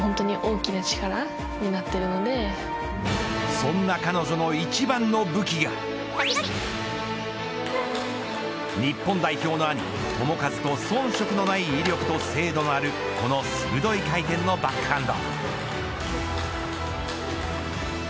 そんな彼女の一番の武器が日本代表の兄、智和と遜色のない威力と精度のあるこの鋭い回転のバックハンド。